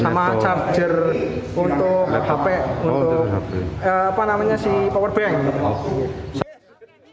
sama charger untuk hp untuk apa namanya si powerbank